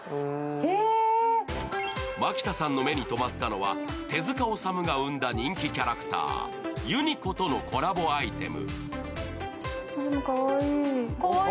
蒔田さんの目にとまったのは、手塚治虫さんが生んだ人気キャラクター、ユニコとのコラボアイテム。